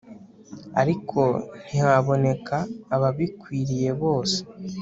ariko ntihaboneka ababakwiriye bose